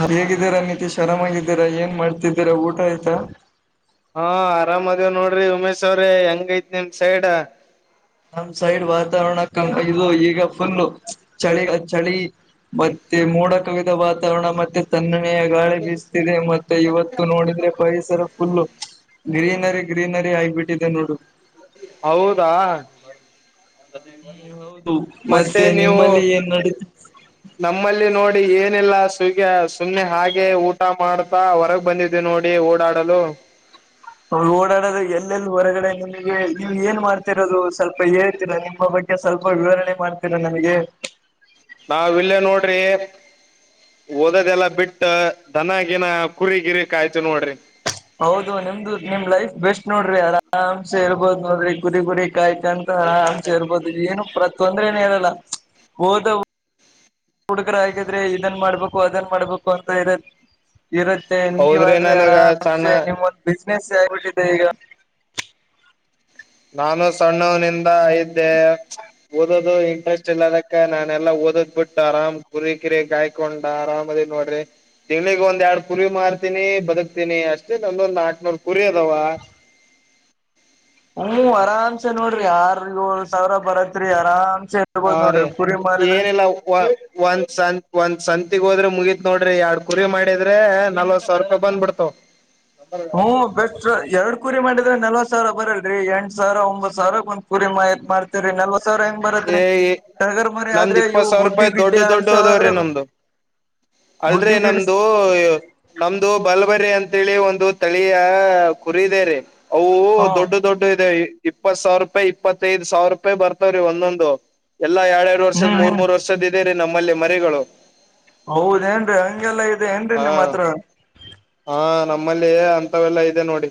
ಹರಿಯಗಿದ್ದೀರಾ ನೀತಿಶ್ ಅರಾಮ್ ಆಗಿದ್ದೀರಾ ಏನ್ ಮಾಡ್ತಿದ್ದೀರಾ ಊಟ ಆಯ್ತಾ. ಹಾ ಆರಾಮದೇ ನೋಡ್ರಿ ಉಮೇಶ್ ಅವ್ರೆ ಹೆಂಗೈತ್ ನಿಮ್ ಸೈಡ್. ನಮ್ ಸೈಡ್ ವಾತಾವರಣ ಕ ಇದು ಈಗ ಫುಲ್ ಚಳಿ ಚಳೀ. ಮತ್ತೆ ಮೋಡ ಕವಿದ ವಾತಾವರಣ ಮತ್ತೆ ತನ್ನೆಯ ಗಾಳಿ ಬೀಸ್ತಿದೆ ಮತ್ತೆ ಇವತ್ತು ನೋಡಿದ್ರೆ ಪರಿಸರ ಫುಲ್ಲು ಗ್ರೀನರಿ. ಗ್ರೀನರಿ ಆಗಿಬಿಟ್ಟಿದೆ ನೋಡು. ಹೌದಾ ಹ್ಮ್ ಹೌದು ಮತ್ತೆ ನೀವು ನಿಮ್ಮಲ್ಲಿ ಏನ್ ನಡೀತ ನಮ್ಮಲ್ಲಿ ನೋಡಿ ಏನಿಲ್ಲ ಸುಗೆ ಸುಮ್ಮನೆ ಹಾಗೆ ಊಟ ಮಾಡ್ತಾ ಹೊರಗ್ ಬಂದಿದ ದ್ದೆ ನೋಡಿ ಓಡಾಡಲು. ಅವ್ರು ಓಡಾಡೋದು ಎಲ್ಲೆಲ್ಲಿ ಹೊರಗಡೆ ನಿಮಗೆ ನೀವ್ ಏನ್ ಮಾಡ್ತಿರೋದು ಸ್ವಲ್ಪ ಹೇಳ್ತಿರಾ ನಿಮ್ಮ ಬಗ್ಗೆ. ಗ್ಗೆ ಸ್ವಲ್ಪ ವಿವರಣೆ ಮಾಡ್ತೀರ ನನಗೆ. ನಾವ ಇಲ್ಲೇ ನೋಡ್ರಿ. ಓದದೆಲ್ಲಾ ಬಿಟ್ಟ ದನಗಿನ ಕುರಿ ಗಿರಿ ಕಾಯ್ತಿವಿ ನೋಡ್ರಿ. ಹೌದು ನಿಮ್ದು ನಿಮ್ ಲೈಫ್ ಬೆಸ್ಟ್ ನೋಡ್ರಿ ಆರಾಮ್ಸೆ ಇರ್ಬೋದು ನೋಡ್ರಿ ಕುರಿ ಗುರಿ ಕಾಯ್ಕೆಂಡ್. ಆರಾಮ್ ಸೇ ಇರ್ಬೋದು ಏನು ಪ್ರತೊಂದ್ರೇನ ಇರಲ್ಲ ಹೋದ ಹುಡ್ಗ್ರ ಆಗಿದ್ರೆ ಇದನ್ ಮಾಡ್ಬೇಕು ಅದನ್ ಮಾಡ್ಬೇಕು ಅಂತ ಇರದ ಇರುತ್ತೆ ಹೌದ್ರಿ ನೀವಾದ್ರೆ ನನಗ ಆರಾಮ್ಸೆ ಸಣ್ಣ ನಿಮ್ಮೊಂದ ಬಿಸ್ನೆಸ್ ಆಗ್ಬಿಟ್ಟಿದೆ ಈಗ. ನಾನು ಸಣ್ಣವನಿಂದ ಇದ್ದೆ. ಓದೋದು ಇಂಟ್ರೆಸ್ಟ್ ಇಲ್ಲ ಅದಕ್ಕ ನಾನೆಲ್ಲಾ ಓದೋದ್ ಬಿಟ್ಟು ಆರಾಮ್ ಕುರಿ ಕಿರಿ ಕಾಯ ಕೊಂಡ ಆರಾಮದೇ ನೋಡ್ರಿ. ತಿಂಗಳಿಗ ಒಂದ್ ಎರಡ್ ಕುರಿ ಮಾರ್ತೀನಿ ಬದುಕ್ತೀನಿ ಅಷ್ಟೇ ಒಂದೊಂದ್ ನಾಕನೂರ್ ಕುರಿ ಅದಾವ. ಹ್ಮ ಆರಾಮ್ಸೆ ನೋಡ್ರಿ ಆರ್ ಏಳ್ ಸಾವಿರ ಬರತ್ರಿ ಆರಾಮ್ಸೆ ಇರ್ಬೋದ್ ಹಾರಿ ನೋಡ್ರಿ ಕುರಿ ಮಾರಿದ್ರೆ ಏನಲ್ಲ ವ ಒಂದ್ ಸ ಒಂದ ಸಂತಗ ಹೋದ್ರೆ ಮುಗೀತ ನೋಡ್ರಿ ಎರಡ್ ಕುರಿ ಮಾಡಿದ್ರೆ ನಲ್ವತ ಸಾವಿರಪಾಯಿ ಬಂದ ಬಿಡ್ತಾವ. [inaudible] ಹ್ಮ ಬೆಸ್ಟ್ ಎರಡ ಕುರಿ ಮಾಡಿದ್ರ ನಲ್ವತ್ ಸಾವಿರ ಬರಲ್ರರಿ ಎಂಟು ಸಾವಿರ ಒಂಬತ್ತು ಸಾವಿರ ಒಂದ್ ಕುರಿ ಮಾ ಇದ ರಿ ನಲ್ವಸವರ ಹೆಂಗ ಬರತ್ರಿ. ಏ ಟಗರ ಮರೀ ನಮ್ದ್ ಆದ್ರೆ ಇವು ಇಪ್ಪತ್ ಸಾವಿರ ಗುಡ್ಡಿ ರೂಪಾಯಿ ಬಡ್ಡೆ ದೊಡ್ಡ ಆಡ್ಸಾವ ಆದ್ರ ಅಲ್ರ ನಮ್ದು ನಮ್ದು ಬಲ್ಬರಿ ಅಂತೇಳಿ ಒಂದು ತಳಿಯ ಕುರಿದೆರೀ ಅವು ಹ ದೊಡ್ಡ ದೊಡ್ಡ ಇದೆ ಇಪ್ಪತ್ ಸಾವಿರಪಾಯಿ ಇಪ್ಪತ್ತೈದು ಸಾವಿರಪಾಯಿ ಬರ್ತಾವ್ರೀ ಒಂದೊಂದು ಎಲ್ಲಾ ಎರಡು ಎರಡು ಎ ವರ್ಷದ ಹ್ಮ್ ಮೂರ್ ಹ್ಮ್ ಮೂರ್ ವರ್ಷದ ಇದೆರೀ ನಮ್ಮಲ್ಲಿ ಮರಿಗಳು ಹೌದ ಏನ್ರೀ ಹಂಗೆಲ್ಲಾ ಇದೆ ಏನ್ರರಿ ಹಾ ನಿಮ್ ಹತ್ರ ಹಾ ನಮ್ಮಲ್ಲಿ ಅಂತವೆಲ್ಲಾ ಇದೆ ನೋಡಿ.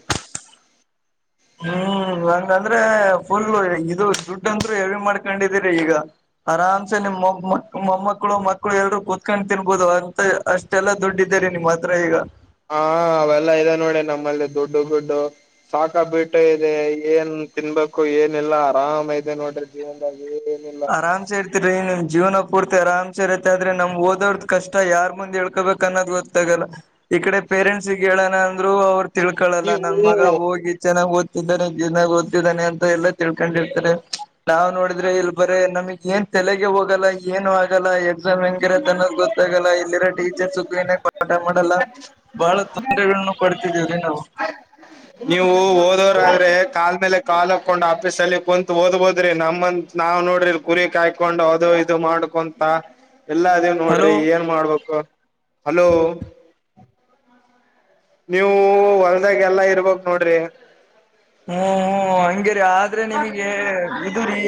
ಹ್ಮ ಹಂಗಂದ್ರೆ ಫುಲ್ ಇದು ದುಡ್ಡ ಅಂದ್ರು ಎ ಮಾಡ್ಕೊಂಡಿದೀರಿ ಈಗ ಆರಾಮ್ಸೆ ನಿಮ್ಮ ಮಾಂ ಮೊಮ್ಮಕ್ಕಳು ಮಕ್ಕಳು ಎಲ್ರು ಕುೂತ್ಕೊಂಡು ತಿನ್ಬಹದು ಅಂತ ಅಷ್ಟ ಟೇಲ್ಲ ದುಡ್ಡಿದ್ದರಿ ನಿಮ್ಮ ಹತ್ರ ಈಗ ಹಾ ಅವೆಲ್ಲ ಇದೆ ನೋಡಿ ನಮ್ಮಲ್ಲಿ ದುಡ್ಡು ದುಡ್ಡು ಸಾಕ ಬಿಟು ಇದೆ ಏನ್ ತಿನ್ಬೇಕು ಏನಿಲ್ಲ ಆರಾಮ ಇದೆ ನೋಡ್ರಿ. [unintelligible] ಇರ್ತರಿ ನಿಮ್ಮ ಜೀವನ ಪೂರ್ತಿ ಆರಾಮಸೆ ಇರತ್ತೆ ಆದ್ರೆ ನಮ್ ಓದೋರ ಕಷ್ಟ ಯಾರ ಮುಂದ ಹೇಳ್ಕೊಬೇಕ ಅನ್ನೋ ಗೊ ತಗಲ್ಲ ಈ ಕಡೆ ಪೇರೆಂಟ್ಸಗ ಹೇಳೋಣ ಅಂದ್ರು ಅವ್ರು ತಿಳ್ಕೊಳಲ್ಲ ನನ್ನ ಮಗ ನೀವು ಹೋಗಿ ಚೆನ್ನಾಗ ಓದ ಇದಾರೆ ದಿನಾಗ ಓದತ್ತಿದ್ದಾನೆ ಅಂತ ಎಲ್ಲಾ ತಿಳ್ಕೊಂಡಿರ್ತಾರೆ ನಾವು ನೋಡಿದ್ರೆ ಇ ನಮಗ ಏನ್ ತಲೆಗೆ ಹೋಗಲ್ಲ ಏನು ಆಗಲ್ಲ ಎಕ್ಸಾಮ್ ಹೆಂಗಿರತ್ತೆ ಅನ್ನೋದು ಗೊತ್ತಾಗಲ್ಲ ಇಲ್ಲಿರೋ ಟೀಚರ್ಸ್ ಕ್ಲನ್ ಪಾಠ ಮಾಡಲ್ಲ ಬಹಳ ತೊಂದ್ರರೆಗಳನ್ನ ಪಡ್ತಿದೀವ್ರಿ ನಾವ ನೀವು ಓದೋರ ಆದ್ರೆ ಕಾಲ್ ಮೇಲೆ ಕಾಲ್ ಹಾಕೊಂಡ ಆಫೀಸ ಅಲ್ಲಿ ಕುಂತ ಓದ್ಬೋದ್ರಿ ನಮ್ಮ ನಾವ್ ನೋಡ್ರಿ ಕುರಿ ಕಾಯ ಕೊಂಡು ಅದು ಇದು ಮಾಡ್ಕೊಂತ ಎಲ್ಲ ಅದು ಹಲೋ ನೋಡ್ರಿ ಏನ್ ಮಾಡ್ಬೇಕು ಹಲೋ ನೀವು ಒಲ್ದಾಗ ಎಲ್ಲಾ ಇರ್ಬಕ ನೋಡ್ರಿ. ಹ್ಮ ಹ್ಮ ಹಂಗೇರಿ ಆದ್ರೆ ನಿಮಗೆ ಇದುರಿ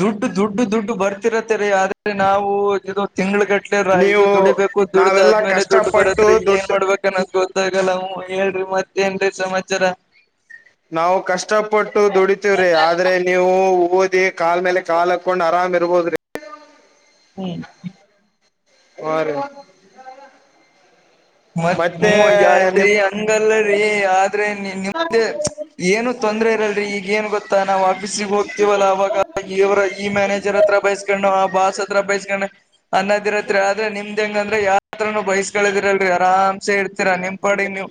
ದುಡ್ಡು ದುಡ್ಡು ದುಡ್ಡು ಬರ್ತಿರತ್ತರೀ ಆದ್ರೆ ನಾವು ಇದು ತಿಂಗಳಗಟ್ಟ ರಾಯ್ ನೀವು ದುಡಿಬೇಕು ದುಡದ ನಾವೆಲ್ಲಾ ಆದ್ಮೇಲೆ ದುಡ್ಡು ಕಷ್ಟಪಟ್ಟು ಬರತ್ರಿ ಏನ್ ದುಡ್ಡು ಮಾಡ್ಬೇಕು. ನ ಗೊತ್ತಾಗಲ್ಲ ಹ್ಮ ಹೇಳ್ರಿ ಮತ್ತೇಏನರೀ ಸಮಾಚಾರ. ನಾವು ಕಷ್ಟಪಟ್ಟು ದುಡಿತೀವ್ರಿ ಆದ್ರೆ ನೀವು ಓದಿ ಕಾಲ ಮೇಲೆ ಕಾಲ್ ಹಾಕೊಂಡ ಆರಾಮ ಇರ್ಬೋದ್ರಿ. ಹ್ಮ ಹಾರಿ ಮತ್ ಹ್ಮ್ ಅಲ್ರಿ ಹಂಗಲ್ಲರಿ ಆದ್ರೆ ನಿಮ್ದ ಏನು ತೊಂದ್ರೆ ಇರಲ್ರರಿ ಈಗ ಏನ್ ಗೊತ್ತಾ ನಾವ ಆಫೀಸಿಗ ಹೋಗ್ತೀವಲ್ಲ ಅವಾಗ ಇವರ ಈ ಮ್ಯಾನೇಜರ್ ಹತ್ರ ಬಯಸ್ ಕೊನು ಆ ಬಾಸ್ ಹತ್ರ ಬೈಸ್ಕೊಂಡ ಅನ್ನದಿರತ್ತತ್ರಿ ಆದ್ರೆ ನಿಮ್ದ ಹೆಂಗಂದ್ರ ಯಾರ ಹತ್ರನು ಬೈಸ್ಕಳದಿರಲ್ ಆರಾಮ್ಸೆ ಇರ್ತೀರಾ ನಿಂಪಾಡ ನೀವ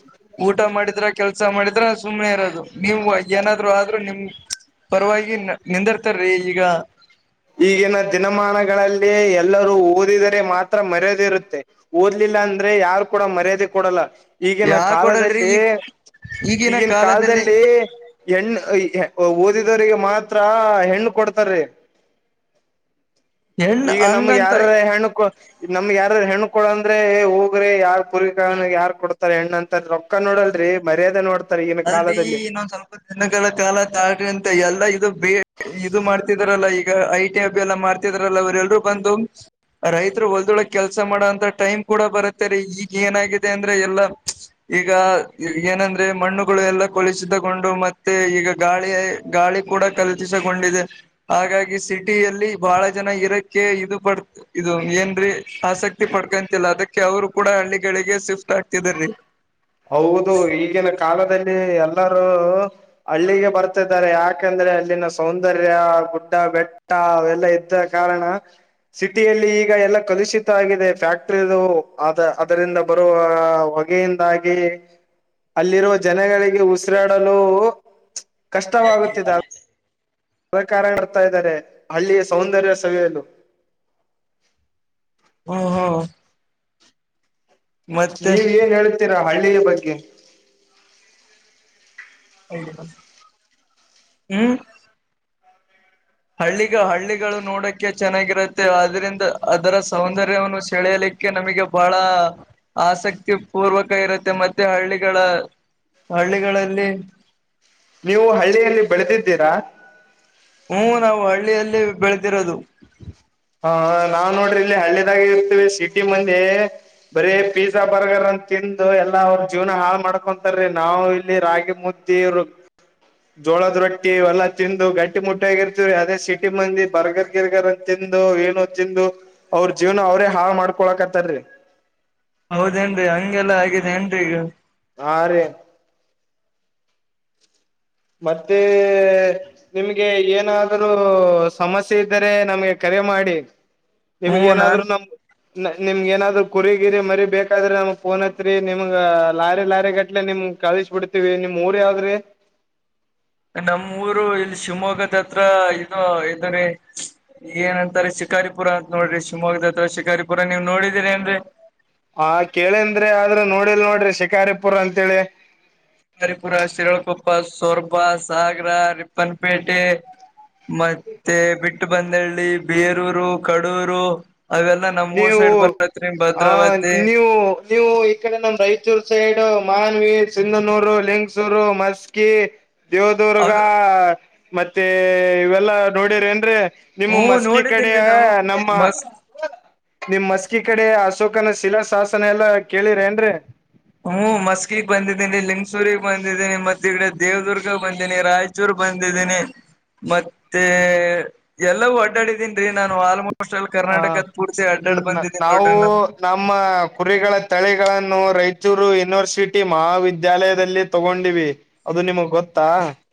ಊಟ ಮಾಡಿದ್ರ ಕೆಲ್ಸ ಮಾಡಿದ್ರ ಸುಮ್ನೆ ಇರೋದು. ನೀವು ಏನಾದ್ರು ಆದ್ರರು ನಿಮ್ಮ ಪರವಾಗಿ ನಿಂದಿರ್ತರೀ ಈಗ. ಈಗಿನ ದಿನಮಾನಗಳಲ್ಲಿ ಎಲ್ಲರೂ ಓದಿದರೆ ಮಾತ್ರ ಮರೆದಿರುತ್ತೆ. ಓದ್ಲಿಲ್ಲ ಅಂದ್ರೆ ಯಾರ ಕೂಡ ಮರ್ಯಾದೆ ಕೊಡಲ್ಲ. ಈಗಿನ ಯಾಕ ಕೊಡಲ್ರಿ ಕಾಲದಲ್ಲಿ ಈಗ ಈಗಿನ ಕಾಲದಲ್ಲಿ. ಹೆಣ್ಣ ಓದಿದವರಿಗೆ ಮಾತ್ರ ಹೆಣ್ಣ ಕೊಡ್ತಾರೆ. ಹೆಣ್ಣ ಈಗ ನಮ್ಗ ಯಾರರ ಹಂಗಂತ ಹೆಣಕ ನಮ್ಗೆ ಯಾರರ ಹೆಣ್ಣ ಕೊಡಂದ್ರೆ ಹೋಗ್ರೆ ಯಾರ ಕುರಿ ಕಾಯನಗಿ ಯಾರ ಕೊಡ್ತಾರೆ ಹೆಣ್ಣಂತ ತ್ತದ ರೊಕ್ಕ ನೋಡಲ್ಲರಿ ಮರ್ಯಾದೆ ನೋಡ್ತಾರ ಈಗಿನ ಕಾಲದಲ್ಲಿ. ಇನ್ನೊಂದ ಸ್ವಲ್ಪ ದಿನಗಳ ಕಾಲ ತಾಳ್ರಿ ಅಂತ ಎಲ್ಲಾ ಇದು ಬೇ ಇದು ಮಾಡ್ತಿದ್ರಲ್ಲ ಈ ಐಟಿಅಬಿ ಎಲ್ಲ ಮಾಡ್ತಿದ್ರಲ್ಲ ಅವ್ರ ಎಲ್ರರು ಬಂದು ರೈತರ ಹೊಲ್ದೊಳಗ್ ಕೆಲ್ಸ ಮಾಡೋಂತ ಟೈಮ್ ಕೂಡ ಬರುತ್ತೆ ರೀ ಈಗ ಏನಾಗಿದೆ ಅಂದ್ರೆ ಎಲ್ಲಾ. ಈಗಾ ಏನಂದ್ರೆ ಮಣ್ಣು ಗಳು ಎಲ್ಲ ಕಲುಷಿತಗೊಂಡು ಮತ್ತೆ ಈಗ ಗಾಳಿಯ ಗಾಳಿ ಕೂಡ ಕಲುತಿಸಗೊಂಡಿದೆ. ಹಾಗಾಗಿ ಸಿಟಿಯಲ್ಲಿ ಬಹಳ ಜನ ಇರಕ್ಕೆ ಇದು ಪಡ್ ಇದು ಏನರಿ. ಆಸಕ್ತಿ ಪಡ್ಕೊಂತಲ್ಲ ಅದಕ್ಕೆ ಅವ್ರು ಕೂಡ ಹಳ್ಳಿಗಳಿಗೆ ಶಿಫ್ಟ್ ಆಗ್ತಿದಾರೀ. ಹೌದು ಈಗಿನ ಕಾಲದಲ್ಲಿ ಎಲ್ಲರೂ ಹಳ್ಳಗೆ ಬರ್ತಿದಾರೆ ಯಾಕಂದ್ರೆ ಅಲ್ಲಿನ ಸೌಂದರ್ಯ ಗುಡ್ಡ ಬೆಟ್ ಟ್ಟಾ ಅವೆಲ್ಲ ಇದ್ದ ಕಾರಣ. ಸಿಟಿಯಲ್ಲಿ ಈಗ ಎಲ್ಲ ಕಲುಷಿತ ಆಗಿದೆ ಫ್ಯಾಕ್ಟರಿದು ಅದ್ ಅದರಿಂದ ಬರುವ ಹೊಗೆಯಿಂದ. ದಾಗಿ ಅಲ್ಲಿರುವ ಜನಗಳಿಗೆ ಉಸಿರಾಡಲು. ಕಷ್ಟವಾಗುತ್ತಿದೆ. [inaudible] ಸಹಕಾರ ಬರ್ತಾ ಇದ್ದಾರೆ ಹಳ್ಳಿಯ ಸೌಂದರ್ಯ ಸವಿಯಲು ಹಾ ಹಾ. ನೀವ ಏನ್ ಹೇಳತ್ತಿರಾ ಹಳ್ಳಿಯ ಬಗ್ಗೆ. ಹ್ಮ್. ಹಳ್ಳಿಗ ಹಳ್ಳಿಗಳು ನೋಡಕ ಚೆನ್ನಾಗಿರುತ್ತೆ ಆದ್ರಂದ ಅದರ ಸೌಂದರ್ಯವನ್ನು ಸೆಳೆಯಲಿಕ್. ಕ್ಕೆ ನಮಗೆ ಬಹಳ ಆಸಕ್ತಿ ಪೂರ್ವಕ ಇರುತ್ತೆ ಮತ್ತೆ ಹಳ್ಳಿಗಳ ಹಳ್ಳಿಗಳಲ್ಲಿ ನೀವು ಹಳ್ಳಿಯಲ್ಲಿ ಬೆಳೆದಿದ್ದೀರಾ. ಹು ನಾವು ಹಳ್ಳಿಯಲ್ಲಿ ಬೆಳೆದಿರೋದು. ಹಾ ನಾವ್ ನೋಡ್ರಿ ಇಲ್ಲಿ ಹಳ್ಳಿನಾಗ ಇರ್ತವಿ ಸಿಟಿ ಮಂದಿ. ಬರೀ ಪಿಜಾ ಬರ್ಗರ್ ಅಂತ ತಿಂದು ಎಲ್ಲಾ ಅವ್ರ ಜೀವನಾ ಹಾಳ ಮಾಡ್ಕೊಂತಾರೀ ನಾವ ಇಲ್ಲಿ ರಾಗಿ ಮುದ್ ತೀರು ಜೋಳದ ರೊಟ್ಟಿ ಇವೆಲ್ಲಾ ತಿಂದು ಗಟ್ಟಿ ಮುಟ್ಟಿ ಆಗಿರ್ತಿವ್ರಿ ಅದೇ ಸಿಟಿ ಮಂದಿ ಬರ್ಗರ್ ಗಿರ್ಗರ್ ಅಂತಿದ್ ತಿಂದು ಏನೋ ತಿಂದು ಅವ್ರ ಜೀವನ ಅವ್ರೇ ಹಾಳ್ ಮಾಡ್ಕೊಳಕತ್ತಾರೀ. ಹೌದೇನ್ರೀ ಹಂಗೆಲ್ಲಾ ಆಗಿದೆ ಏನ್ರಿ ಈಗ. ಹಾ ರೀ. ಮತ್ತೆ. ನಿಮ್ಗೆ ಏನಾದರೂ ಸಮಸ್ಯೆ ಇದ್ದರೆ ನಮ್ಗೆ ಕರೆ ಮಾಡಿ. ನಿಮಗ್ ಹ್ಮ್ ಏನಾದ್ರು ನಾನ್ ನಮ್ ನಿಮ್ಗ ಏನಾದ್ರು ಕುರಿಗಿರಿ ಮರಿ ಬೇಕಾದ್ರೆ ನಮಗ್ ಫೋನ್ ಹಚ್ಚರಿ ನಿಮ್ಗ ಲಾರಿ ಲಾರಿ ಗಟ್ಲೆ ನಿಮ್ ಕಳಿಸ್ ಬಿಡ್ತೀವಿ ನಿಮ್ ಊರ್ ಯಾವದರಿ. ನಮ್ಮ್ ಊರು ಇಲ್ಲಿ ಶಿವಮೊಗ್ಗದ ಹತ್ರ ಇದು ಇದುರಿ. ಈಗ ಏನಂತಾರೆ ಶಿಕಾರಿಪುರ ಅಂತ ನೋಡ್ರಿ ಶಿವಮೊಗ್ಗದ ಹತ್ರ ಶಿಕಾರಿಪುರ ನೀವು ನೋಡಿದೀರ ಏನ್ರಿ. ಹ ಕೇಳೇಂದ್ರೆ ಆದ್ರೂ ನೋಡಿಲ್ ನೋಡ್ರಿ ಶಿಕಾರಿಪುರ್ ಅಂತೇಳಿ. ಶಿಕಾರಿಪುರ ಶಿರಳಕೊಪ್ಪ ಸೋರ್ಬಾ ಸಾಗರ ರಿಪ್ಪನ್ಪೇಟೆ ಮತ್ತೆ ಬಿಟ್ಟಬಂದಳ್ಳಿ ಬೇರೂರು ಕಡೂರು ಅವೆಲ್ಲಾ ನಮ್ ಊರ್ ನೀವು ಸೈಡ್ ಬರತ್ರಿ ಆ ಭದ್ರಾವತಿ ನೀವು ನೀವು ಈ ಕಡೆ ನಮ ರಾಯಚೂರ್ ಸೈಡ್ ಮಾನ್ವಿ, ಸಿಂಧನೂರು, ಲಿಂಗಸೂರು, ಮಸ್ಕಿ, ಅ ದೇವದುರ್ಗ ಮತ್ತೆ ಇವೆಲ್ಲಾ ನೋಡಿರಿ ಏನ್ರೀ ನಿಮ್ಮ ಹ್ಮ ಮಸ್ಕಿ ಕಡ ನೋಡಿದೀನ್ರಿ ನಾವು ನಮ್ಮ ಮಸ್ ನಿಮ್ ಮಸ್ಕಿ ಕಡೆ ಅಶೋಕನ ಶಿಲಾಶಾಸನ ಎಲ್ಲಾ ಕೇಳಿರ ಏನ್ರರಿ ಹುಂ ಮಸ್ಕಿ ಬಂದಿದ್ದೀನಿ ಲಿಂಗಸೂರಿ ಬಂದಿದ್ದೀನಿ ಮತ್ತ ಇಡೆ ದೇವದುರ್ಗ ಬಂದೇನಿ ರಾಯ ಚೂರು ಬಂದಿದ್ದೀನಿ ಮತ್ತೆ ಎಲ್ಲಾ ಒಡ್ಡಾಡಿದ್ದೀನಿ. ನಾನು ಆಲ್ಮೋಸ್ಟ್ ಅಲ್ಲಿ ಹ ಕರ್ನಾಟಕದ ಪೂರ್ತಿ ಅಡ್ಡಾಡ್ ಬಂದಿದ್ದೀರಿ ನಾವು ನೋಡ್ರಿ ನಾನು ನಮ್ಮ ಕುರಿಗಳ ತಳಿಗಳನ್ನು ರಾಯಚೂರು ಯೂನಿವರ್ಸಿಟಿ ಮಹಾವಿದ್ಯಾಲಯದಲ್ಲಿ ತಗೊಂಡಿವಿ ಅದು ನಿಮಗ್ ಗೊತ್ತಾ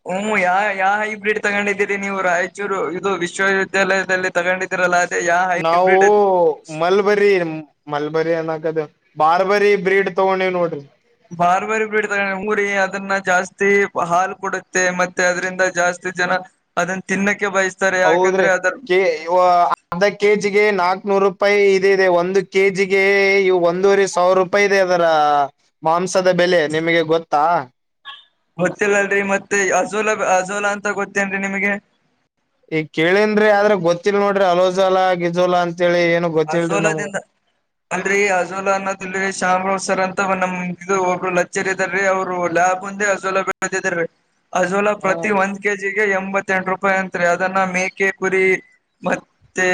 ಹುಂ ಯಾ ಯಾವ ಹೈಬ್ರಿಡ್ ತಗೊಂಡಿದ್ದೀರಿ ನೀವು ರಾಯಚೂರು ಇದು ವಿಶ್ವವಿದ್ಯಾಲಯದಲ್ಲಿ ತಗೊಂಡಿದರಲ್ಲಾ ಅದೇ ಯಾವ ನಾವು ಹೈಬ್ರಿಡ್ ಮಲ್ಬರಿ ಮಲ್ಬರಿ ಅನ್ಕಾದ ಬಾರ್ಬರಿ ಬ್ರೀಡ್ ತಗೊಂಡವ ನೋಡ್ರಿ ಬಾರ್ಬಾರಿ ಬಡ್ತಾರೆ ಊರಿ ಅದನ್ನ ಜಾಸ್ತಿ ಹಾಲು ಕೊಡುತ್ತೆ ಮತ್ತೆ ಅದ್ರಿಂದ ಜಾಸ್ತಿ ಜನಾ ಅದನ್ನ ತಿನ್ನಕ್ಕೆ ಬಯಸ್ಸ ಹೌದ್ರಿ ಕೆ ಅರ್ಧ ಕೆ ಜಿಗೆ ನಾಕ್ನೂರು ರೂಪಾಯಿ ಇದ ಇದೆ ಒಂದು ಕೆ ಜಿಗೆ ಒಂದೂರೆ ಸಾವಿರ ರೂ ಪಾಯಿ ಇದೆ ಅದರ ಮಾಂಸದ ಬೆಲೆ ನಿಮಗೆ ಗೊತ್ತಾ ಗೊತ್ತಿಲ್ಲಲ್ರರಿ ಮತ್ತೆ ಅಜೋಲಾ ಅಜೋಲಾ ಅಂತ ಗೊತ್ತೇನ್ರರಿ ನಿಮ್ಗೆ ಈಗ ಕೇಳನ್ರಿ ಆದ್ರೆ ಗೊತ್ತಿಲ್ಲಲ್ ನೋಡ್ರಿ ಅಲೋಜೋಲಾ ಗಿಜೋಲಾ ಅಂತೇಳಿ ಏನು ಗೊತ್ತಿಲ್ರಿ ನಮ್ಗ ಅಸೋಲಾದಿಂದ ಅಲ್ರೀ ಅಜೋಲಾ ಅನ್ನೋದಲ್ರಿ ಶಾಮರಾವ್ ಸರ್ ಅಂತ ನಮ ಇದು ಒಬ್ರು ಲಚರ ಇದ್ದಾರಿ ಅವ್ರು ಲ್ಯಾಬ್ ಒಂದೆ ಅಜೋಲಾ ಹ ಪ್ರತಿ ಒಂದ ಕೆ ಜಿಗೆ ಎಂಬತ್ತೆಂಟು ರೂಪಾಯಿ ಅಂತ್ರಿ ಅದನ್ನ ಮೇಕೆ ಕುರಿ ಮತ್ತೆ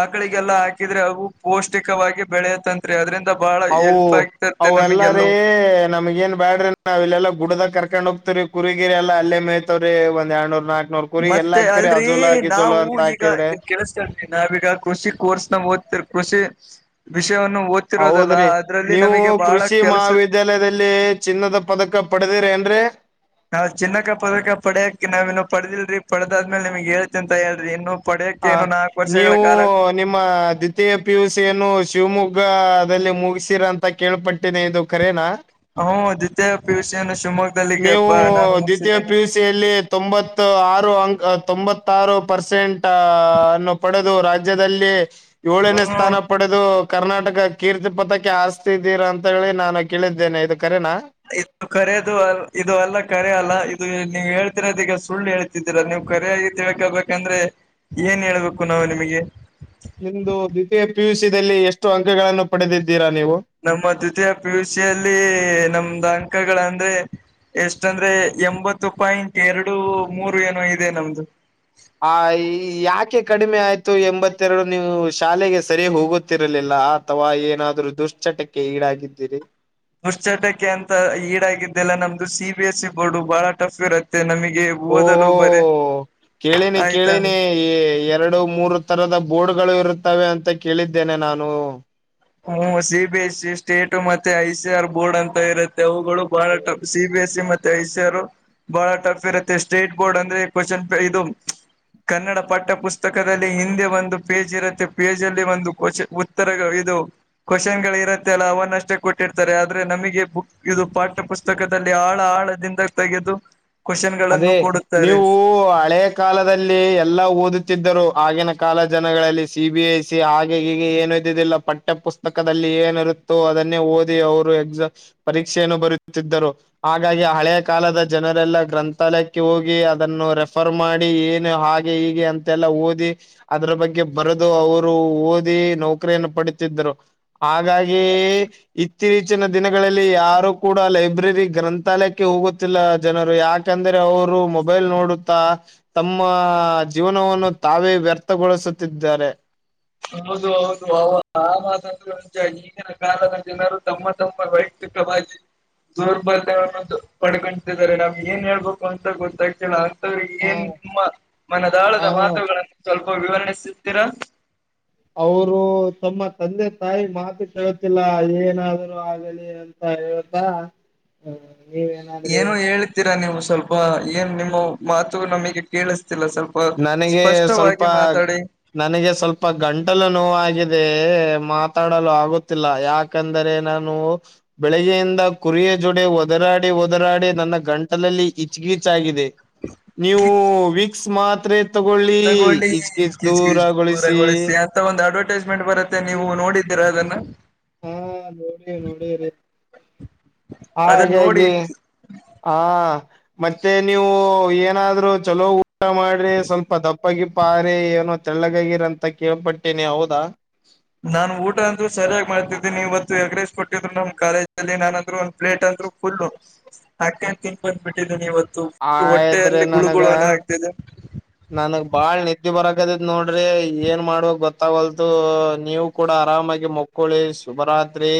ಆಕಳಿಗೆಲ್ಲಾ ಹಾಕಿದ್ರೆ ಅವು ಪೌಷ್ಟಿಕವಾಗಿ ಬೆಳೆಯತಂತ ಅದ್ರಿಂದ ಬಹಳ ಅವು ಹೆಲ್ಪ್ ಆಗುತ್ತಿದ್ದಂತ ನಮಗೆಲ್ಲವು ನಮ ಗೆನ್ ಬ್ಯಾಡ್ರಿ ನಾವು ಇಲ್ಲ ಗುಡ್ಡದಾಗ ಕರ್ಕೊಂಡ್ ಹೋಗ್ತವರಿ ಕುರಿಗಿರಿ ಎಲ್ಲಾ ಅಲ್ಲೇ ಮೇಯತಾವ್ರೀ ಒಂದ್ರಡ್ನೂರ್ ನಾಕ್ ನಮ್ ಕುರಿಗೆ ಎಲ್ಲಾ ಮತ್ತೆ ಹಾಕ್ತಿರಿ ಅಜೋಲಾ ಗಿಜೋಲಾ ಅಂತ ಹಾಕಿದ್ರೆ ಕೆಳಸಕೋರಿ ನಾವೀಗ ಕೃಷಿ ಕೋರ್ಸ್ ನ ಓದ್ತಿರ ಕೃಷಿ ವಿಷಯ ಓದ್ತಿರೋದೆಲ್ಲಾ ಹೌದ್ರಿ ಅದ್ರಲ್ಲಿ ನಮಗೆ ಬಹಳ ಕೆಲಸ ವಿದ್ಯಾಲಯದಲ್ಲಿ ಚಿನ್ನದ ಪದಕ ಪಡೆದಿರ ಏನ್ರೀ ನಾವ್ ಚಿನ್ನಕ್ಕ ಪದಕ ಪಡ್ಯಾಕ ನಾವ್ ಇನ್ನು ಪಡದಿಲ್ರರಿ ಪಡದಾದ್ಮೇಲೆ ನಿಮ್ಗ್ ಹೇಳ್ತೀನಿ ತೋರೀ ಹೇಳ್ರಿ ಇನ್ನು ಆ ಪಡ್ಯೋಕ್ಕೆೇನು ನಾಲ್ಕು ವರ್ಷಗಳ ನೀವು ಕಾಲ ನಿಮ್ಮ ದ್ವಿತೀಯ ಪಿಯುಸಿಯನ್ನು ಶಿವಮೊಗ್ಗದಲ್ಲಿ ಮುಗಿಸಿರ ಅಂತ ಕೇಳ್ಪಟ್ಟ ಇದು ಕರೇನಾ ಹೂ ದ್ವಿತೀಯ ಪಿಯುಸಿಯನ್ನು ಶಿವಮೊಗ್ಗ ನೀವು ದ್ವಿತೀಯ ಪಿ ಯು ಸಿಯಲ್ಲಿ ತೊಂಬತ್ತು ಆರು ಅಂಕ್ ತೊಂಬತ್ತಾರು ಪರ್ಸೆಂಟ್ ಅನ್ನು ಪಡೆದು ರಾಜ್ಯ ರಾಜ್ಯದಲ್ಲಿ ಏಳನೇ ಹ್ಮ ಸ್ಥಾನ ಪಡೆದು ಕರ್ನಾಟಕ ಕೀರ್ತಿ ಪತಾಕೆ ಹಾಸ್ತಿದ್ದೀರ ಅಂತ ಹೇಳಿ ನಾನು ಕೇಳಿದ್ದೇನೆ ಇದು ಕರೆನಾ ಇದು ಕರೆೋದು ಇದು ಅಲ್ಲ ಕರೆ ಅಲ್ಲ ಇದು ನೀವು ಹೇಳ್ತಿರೋದ ಈಗ ಸುಳ್ಳು ಹೇಳ್ತ ರಾ ನೀವು ಕರೆಯಾಗಿ ತಿಳ್ಕಬೇಕಂದ್ರೆ ಏನ್ ಹೇಳ್ಬೇಕು ನಾವು ನಿಮಗೆ ನಿಮ್ದ ದ್ವಿತೀಯ ಪಿ ಯು ಸಿ ದಲ್ಲಿ ಎಷ್ಟು ಅಂಕಗಳನ್ನು ಪಡೆದಿದ್ದೀರಾ ನೀವು. ನಮ್ಮ ಅ ದ್ವಿತೀಯ ಪಿಯುಸಿಯಲ್ಲಿ ನಮ್ದ ಅಂಕಗಳಂದ್ರೆ ಎಷ್ಟಂದ್ರೆ ಎಂಬತ್ತು ಪಾಯಿಂಟ್ ಎರಡು ಮೂರು ಏನೋ ಇದೆ ನಮ್ದು ಆ ಯಾಕೆ ಕಡಿಮೆ ಆಯ್ತು ಎಂಬತ್ತೆರಡು ನೀವು ಶಾಲೆಗೆ ಸರಿ ಹೋಗುತ್ತಿರಲಿಲ್ಲ. ಅಥವಾ ಏನಾದರು ದುಶ್ಚಟಕ್ಕೆ ಈಡಾಗಿದ್ದೀರಿ. ದುಶ್ಚಟಕ್ಕೆ ಅಂತ ಈಡಾಗಿದ್ದ ಅಲ್ಲ ನಮ್ದು C B S C board ಬಹಳ ಟಫ್ ಇರುತ್ತೆ ನಮಗೆ. ಓ ಓದಲು ಬರೆ ಕೇಳಿನಿ ಆಯ್ತಾ. ಕೇಳಿನಿ ಎರಡು ಮೂರು ತರದ ಬೋರ್ಡ್ಗಳು ಇರುತ್ತವೆ ಅಂತ ಕೇಳಿದ್ದೇನೆ ನಾನು. ಹ್ಮ C B S C state ಮತ್ತೆ ಐ ಸಿ ಆರ್ ಬೋರ್ಡ್ ಅಂತ ಇರ ತ್ತೆ ಅವುಗಳು ಬಹಳ tough C B S C ಮತ್ ಟೈಸರು ಬಹಳ ಟಫ್ ಇರುತ್ತೆ ಸ್ಟೇಟ್ ಬೋರ್ಡ್ ಅಂದ್ರೆ ಕ್ವಶನ್ ಪೇ ಇದು. ಕನ್ನಡ ಪಠ್ಯ ಪುಸ್ತಕದಲ್ಲಿ ಹಿಂದೆ ಒಂದು ಪೇಜ್ ಇರುತ್ತೆ. ಪೇಜ್ ಅಲ್ಲಿ ಒಂದು ಕ್ವೆ ಉತ್ತರ ಇದು, ಕ್ವಶನ್ ಗಳು ಇರುತ್ತೆ ಅಲ್ಲ ಅವನ್ನ ಅಷ್ಟೇ ಕೊಟ್ಟಿರ್ತಾರೆ. ಆದ್ರೆ ನಮಗೆ ಬುಕ್ ಇದು ಪಾಠ್ಯ ಪುಸ್ತ ಪುಸ್ತಕದಲ್ಲಿ ಆಳ ಆಳದಿಂದ ತೆಗೆದು. ಕ್ವಶನ್ ಗಳನ್ನು ಅದೇ ಕೊಡುತ್ತಾರೆ ನೀವು ಹಳೆ. ಕಾಲದಲ್ಲಿ ಎಲ್ಲಾ ಓದುತ್ತಿದ್ದರು. ಆಗಿನ ಕಾಲ ಜನಗಳಲ್ಲಿ ಸಿ ಬಿ ಎಸ್ ಇ ಹಾಗೆ ಹೀಗೆ ಏನ ಇದ್ದುದಿಲ್ಲ. ಪಠ್ಯ ಪುಸ್ತಕದಲ್ಲಿ ಏನಿರುತ್ತೋ ಅದನ್ನೇ ಓದಿ ಅವರು ಎಕ್ಸಾಮ್. ಪರೀಕ್ಷೆಯನ್ನು ಬರಿಯತ್ತಿದ್ದರು. ಹಾಗಾಗಿ ಹಳೆಯ ಕಾಲದ ಜನರೆಲ್ಲ ಗ್ರಂಥ ಸ್ಥಳಕ್ಕೆ ಹೋಗಿ ಅದನ್ನು ರೆಫರ್ ಮಾಡಿ ಏನು ಹಾಗೆ ಹೀಗೆ ಅಂತೆಲ್ಲ ಓದಿ. ಅದ್ರ ಬಗ್ಗೆ ಬರೆದು ಅವರು ಓದಿ ನೌಕರಿಯನ್ನು ಪಡಿತಿದ್ದರು. ಹಾಗಾಗಿ. ಇತ್ತೀಚಿನ ದಿನಗಳಲ್ಲಿ ಯಾರು ಕೂಡ ಲೈಬ್ರರಿ ಗ್ರಂಥಾಲಯಕ್ಕೆ ಹೋಗುತ್ತಿಲ್ಲ ಜನರು. ಯಾಕ್ ಯಾಕಂದ್ರೆ ಅವರು ಮೊಬೈಲ್ ನೋಡುತ್ತಾ. ತಮ್ಮ ಜೀವನವನ್ನು ತಾವೇ ವ್ಯರ್ಥಗೊಳಿಸುತ್ತಿದ್ದಾರೆ. ಹೌದು ಹೌದು ಆ ಮಾತ ಅಂತ್ರು ನಿಜ. ಈಗಿನ ಕಾಲದ ಜನರು ತಮ್ಮ ತಮ್ಮ ವೈಯಕ್ತಿಕವಾಗಿ, ದೌರ್ಬಲ್ಯವನ್ನು ಪಡ್ಕೊಂಡತಿದ್ದಾರೆ ನಾವ್ ಏನ್ ಹೇಳ್ಬೇಕು ಅಂತ ಗೊತ್ತಾಯಿತ್ತಿಲ್ಲ. ಹ ಏನ್ ನಿಮ್ಮ ಹ ಮನದಾಳದ ಮಾತುಗಳನ್ನು ಸ್ವಲ್ಪ ವಿವರಣಿಸುತ್ತೀರಾ. ಅವರು ತಮ್ಮ ತಂದೆ ತಾಯಿ ಮಾತು ಕೇಳ್ತಿಲ್ಲ. ಏನಾದ್ರು ಆಗಲಿ, ಅಂತ ಹೇಳ್ತಾ ನೀವು ಏನ್ ಏನು ಹೇಳ್ತೀರಾ ನೀವು ಸ್ವಲ್ಪ ಏನ್ ನಿಮ್ಮ ಮಾತು ನಮಗೆ ಕೇಳಿಸ್ತಿಲ್ಲ. ಸ್ವಲ್ ನನಗೆ ಸ್ವಲ್ಪ ಸ್ಪಷ್ಟವಾಗಿ ಮಾತಾಡಿ. ನನಗೆ ಸ್ವಲ್ಪ ಗಂಟಲು ನೋವಾಗಿದೆ ಮಾತಾಡಲು ಆಗುತ್ತಿಲ್ಲ. ಯಾಕ್ ಯಾಕಂದರೆ ನಾನು. ಬೆಳಗ್ಗೆಯಿಂದ ಕುರಿಯ ಜೋಡೆ ಒದರಾಡಿ ಒದರಾಡಿ ನನ್ನ ಗಂಟಲಲ್ಲಿ ಕೀಚ್ಚ್ ಗಿಚ್ಚ್ ಆಗಿದೆ. ನೀವು ವೀಕ್ಸ್ ಮಾತ್ರೆ. ತಗೊಳ್ಳಿ ತಗೋಳ್ಳಿ ಗಿಚ್ಚ್ ಗಿಚ್ಚ್. ದೂರಗೊಳಿಸಿ ಅಂತ ಒಂದ್ ಅಡ್ವರ್ಟೈಸ್ಮೆಂಟ್ ಬರತ್ತೆ ನೀವು ನೋಡಿದ್ದೀರಾ ಅದನ್ನ. ಹಾ ನೋಡಿವ್ರಿ ನೋಡಿವ್ರಿ. ಅದನ್ನ ನೋಡಿ ಹಾಗಾಗಿ ಆ. ಮತ್ತೆ ನೀವು ಏನಾದ್ರು ಚಲೋ ಊಟ ಮಾಡ್ರಿ ಸ್ವಲ್ಪ ದಪ್ಪ. ಗಿಪ್ಪಾ ಆರಿ. ತಳ್ಳಗಾಗಿರಂತ ಕೇಳ್ಪಟ್ಟೀನಿ ಹೌದಾ. ನಾನು ಊಟ ಅಂತ್ರು ಸರಿಯಾಗಿ ಮಾಡ್ತಿದ್ದೀನಿ. ಇವತ್ತು ಎಗ್ ರೈಸ್ ಕೊಟ್ಟ್ರು ನಮ್ಮ್ ಕಾಲೇಜ ಅಲ್ಲಿ ನಾನ ಅಂದ್ರರು ಒಂದ ಪ್ಲೇಟ್ ಅಂತ್ರು ಫುಲ್ಲು ತಟ್ಟೆನೇ ತಿಂದ್ ಬಂದ್ಬಿಟ್ಟಿದ್ದೀನಿ ಇವತ್ತು. ಆಯ್ತ್ರಿ ಹೊಟ್ಟೆಯಲ್ಲಿ ಗುಳುಗುಳು ಅನಾತ್ತಿದೆ. ನನ್ಗ್ ಬಾಳ್ ನಿದ್ದೆ ಬರಕತೈತೆ ನೋಡ್ರಿ ಏನ್ ಮಾಡ್ಬೇಕ್ ಗೊತ್ತಾಗಲ್ತು. ನೀವು ಕೂಡ ಆರಾಮಾಗಿ ಮುಕ್ಕೊಳ್ಳಿ ಶುಭರಾತ್ರಿ.